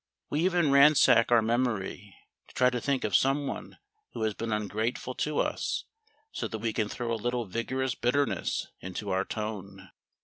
We even ransack our memory to try to think of someone who has been ungrateful to us, so that we can throw a little vigorous bitterness into our tone.